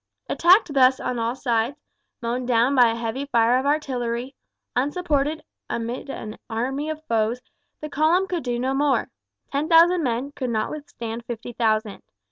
Attacked thus on all sides, mown down by a heavy fire of artillery, unsupported amid an army of foes, the column could do no more. Ten thousand men could not withstand fifty thousand.